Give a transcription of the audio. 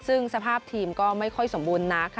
ซึ่งสภาพทีมก็ไม่ค่อยสมบูรณ์นักค่ะ